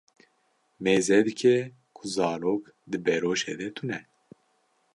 Mêze dike ku zarok di beroşê de tune.